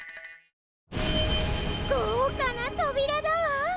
ごうかなとびらだわ！